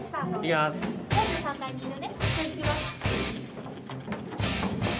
４３階にいるね。